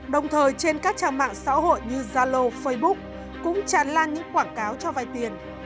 đồng thời trên các trang mạng xã hội như zalo facebook cũng tràn lan những quảng cáo cho vai tiền